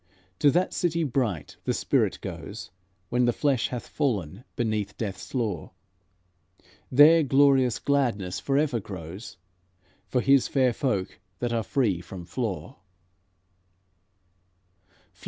To that city bright the spirit goes When the flesh hath fallen beneath death's law; There glorious gladness forever grows For His fair folk that are free from flaw."